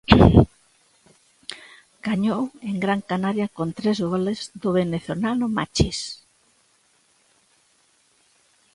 Gañou en Gran Canaria con tres goles do venezolano Machis.